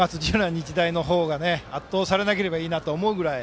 日大の方が圧倒されなければいいなと思うぐらい